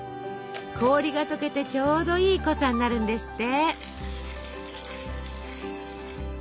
氷が解けてちょうどいい濃さになるんですって。